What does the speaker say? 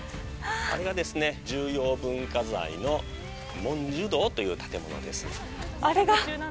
あれが重要文化財の文殊堂という建物です。